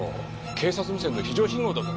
警察無線の非常信号だぞ。